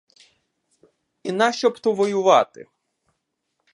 І нащо б то воювати!